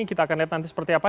kita akan lihat nanti seperti apa